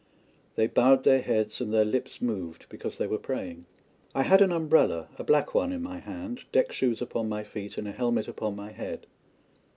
They bowed their heads and their lips moved, because they were praying. I had an umbrella a black one in my hand, deck shoes upon my feet, and a helmet upon my head.